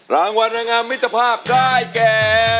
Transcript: รางวัลนางงามมิตรภาพได้แก่